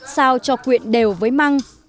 xào cho quyện đều với măng